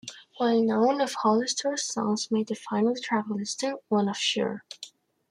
While none of Hollister's songs made the final track listing, one of Sure!